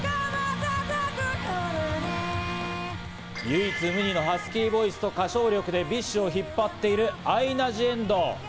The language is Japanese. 唯一無二のハスキーボイスと歌唱力でＢｉＳＨを引っ張っているアイナ・ジ・エンド。